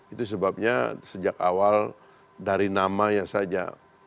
itu sebabnya sejak awal dari namanya saja